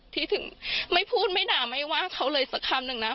ที่ถึงไม่พูดไม่ด่าไม่ว่าเขาเลยสักคำหนึ่งนะ